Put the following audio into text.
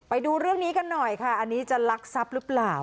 ไปดูเรื่องนี้กันหน่อยค่ะอันนี้จะลักทรัพย์หรือเปล่า